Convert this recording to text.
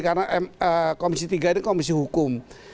karena komisi tiga ini komisi hukum